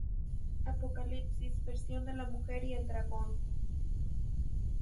Apocalipsis: Visión de la Mujer y el Dragón.